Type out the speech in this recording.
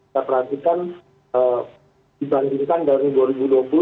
kita perhatikan dibandingkan dari dua ribu dua puluh dua ribu dua puluh satu